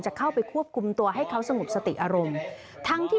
จากการมี